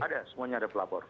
ada semuanya ada pelapor